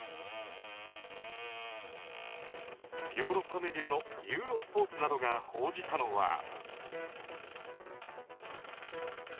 ヨーロッパメディアのユーロスポーツなどが報じたのは。